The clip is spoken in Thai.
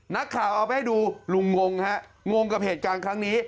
นักข่าวเอาไปให้ดูลุงงงฮะงงกับเหตุการณ์ครั้งนี้